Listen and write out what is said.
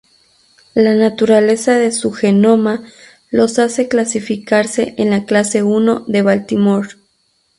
La naturaleza de su genoma los hace clasificarse en la clase I de Baltimore.